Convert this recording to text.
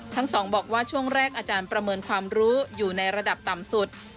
ทั้งสองบอกว่าช่วงแรกอาจารย์ประเมินความรู้อยู่ในระดับต่ำสุด